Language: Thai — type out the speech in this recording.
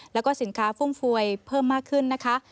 แล้วก็สินค้าฟุ่มฟวยเพิ่มมากขึ้นนะคะ